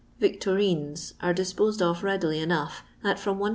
Victorines are disposed of readily enough at from le.